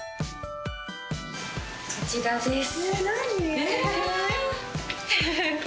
こちらです。